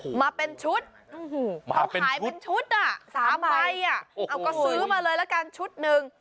มาเป็นชุดเขาขายเป็นชุดอ่ะสามใบอ่ะเอาก็ซื้อมาเลยละกันชุดหนึ่ง